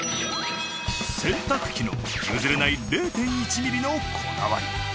洗濯機の譲れない０．１ミリのこだわり。